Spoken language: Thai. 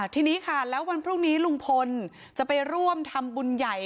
ทีนี้ค่ะแล้ววันพรุ่งนี้ลุงพลจะไปร่วมทำบุญใหญ่